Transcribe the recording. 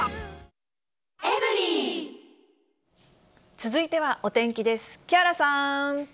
続いてはお天気です。